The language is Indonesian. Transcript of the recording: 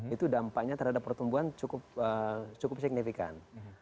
itu dampaknya terhadap pertumbuhan cukup signifikan